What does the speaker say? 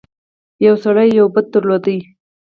یو سړي یو بت درلود.